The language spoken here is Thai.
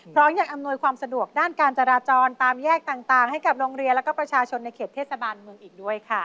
ยังอำนวยความสะดวกด้านการจราจรตามแยกต่างให้กับโรงเรียนแล้วก็ประชาชนในเขตเทศบาลเมืองอีกด้วยค่ะ